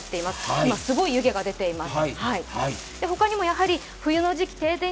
今、すごい湯気が出ています。